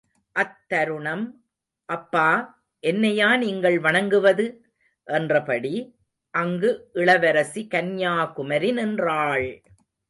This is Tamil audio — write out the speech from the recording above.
அத்தருணம், அப்பா.என்னையா நீங்கள் வணங்குவது? என்றபடி, அங்கு இளவரசி கன்யாகுமரி நின்றாள்!